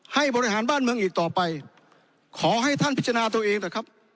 บริหารบ้านเมืองอีกต่อไปขอให้ท่านพิจารณาตัวเองเถอะครับ